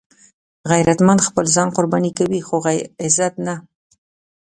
غیرتمند خپل ځان قرباني کوي خو عزت نه